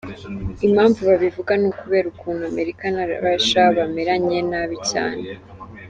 Impamvu babivuga, nukubera ukuntu Amerika na Russia bameranye nabi cyane.